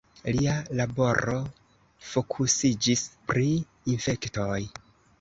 Lia laboro fokusiĝis pri infektoj.